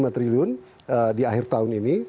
satu satu ratus lima triliun di akhir tahun ini